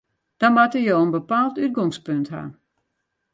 Dan moatte jo in bepaald útgongspunt ha.